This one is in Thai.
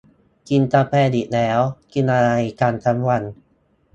กินกาแฟอีกแล้ว กินอะไรกันทั้งวัน